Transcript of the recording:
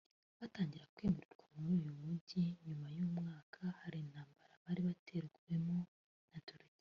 batangiye kwimurwa muri uyu mujyi nyuma y’umwaka hari intambara bari batewemo na Turukiya